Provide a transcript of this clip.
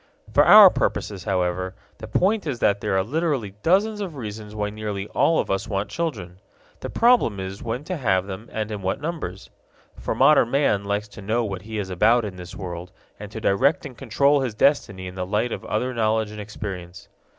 For our purposes, however, the point is that there are literally dozens of reasons why nearly all of us want children. The problem is when to have them and in what numbers. For modern man likes to know what he is about in this world and to direct and control his destiny in the light of other knowledge and experience.